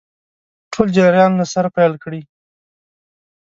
ټول جریان له سره پیل کړي.